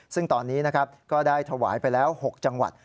ซึ่งตอนนี้นะครับก็ได้ถวายไปแล้ว๖จังหวัด